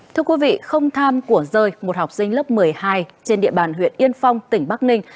thưa quý vị không tham của rơi một học sinh lớp một mươi hai trên địa bàn huyện yên phong tỉnh bắc ninh